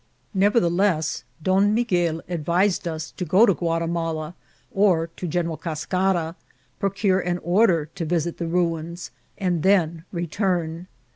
Nevertheless, Don Miguel advised us to go to Ouati mala or to Oeneral Cascara, procure an order to visit the ruins, and then return.